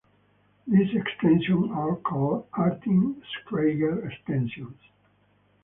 These extensions are called "Artin-Schreier extensions".